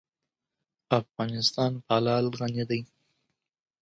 افغانستان په لعل غني دی.